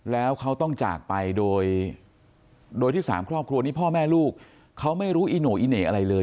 แล้วเขาต้องจากไปโดยที่สามครอบครัวนี้พ่อแม่ลูกเขาไม่รู้อีโน่อีเหน่อะไรเลย